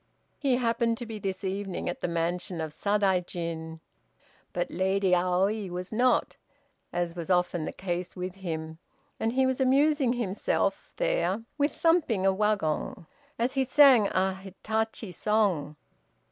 He happened to be this evening at the mansion of Sadaijin, but Lady Aoi was not, as was often the case, with him, and he was amusing himself there with thumping a wagon as he sang a "Hitachi" song.